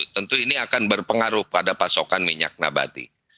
tentu ini akan berpengaruh pada pasokan minyak nabati